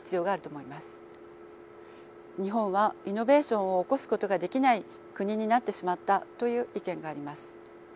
日本はイノベーションを起こすことができない国になってしまったという意見があります。